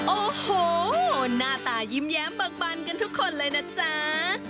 โอ้โหหน้าตายิ้มแย้มเบิกบันกันทุกคนเลยนะจ๊ะ